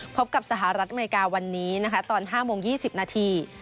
พบกับสหรัฐอเมริกาวันนี้นะคะตอน๕โมง๒๐นาที